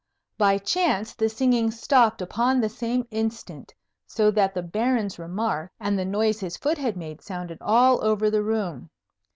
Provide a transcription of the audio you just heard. By chance the singing stopped upon the same instant, so that the Baron's remark and the noise his foot had made sounded all over the room.